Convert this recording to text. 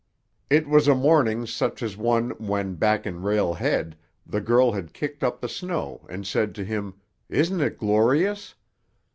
It was a morning such as the one when, back in Rail Head, the girl had kicked up the snow and said to him, "Isn't it glorious?"